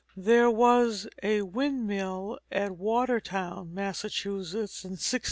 There was a windmill at Watertown, Massachusetts, in 1631.